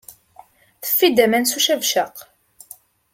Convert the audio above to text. Teffi-d aman s ucabcaq.